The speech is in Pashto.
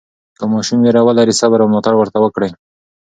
که ماشوم ویره لري، صبر او ملاتړ ورته وکړئ.